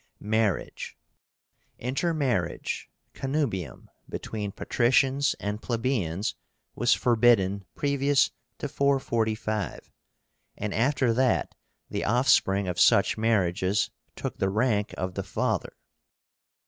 MARRIAGE. Intermarriage (connubium) between patricians and plebeians was forbidden previous to 445, and after that the offspring of such marriages took the rank of the father.